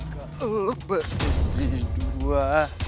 gak lupa istri dua